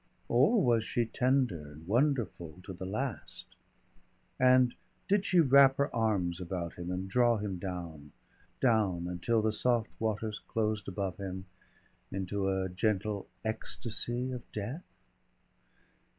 Or was she tender and wonderful to the last, and did she wrap her arms about him and draw him down, down until the soft waters closed above him into a gentle ecstasy of death?